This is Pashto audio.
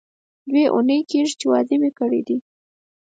دوې اونۍ کېږي چې واده مې کړی دی.